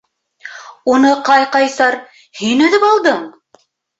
Уны Ҡай-Ҡайсар, һин өҙөп алдың.